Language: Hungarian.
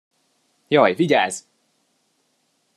Jaj, vigyázz!